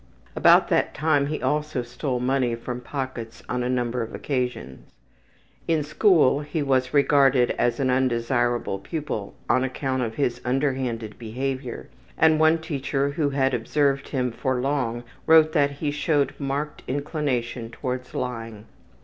About that time he also stole money from pockets on a number of occasions. In school he was regarded as an undesirable pupil on account of his underhanded behavior, and one teacher who had observed him for long wrote that he showed marked inclination towards lying.